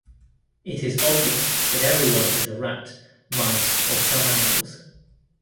It is obvious that everyone is a rat, mice or some animals.